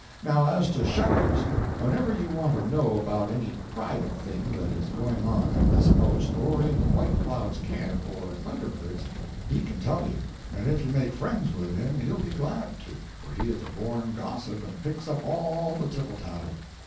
Now as to Shekels, whenever you want to know about any private thing that is going on at this post or in White Cloud's camp or Thunder Bird's, he can tell you; and if you make friends with him he'll be glad to, for he is a born gossip, and picks up all the tittle tattle.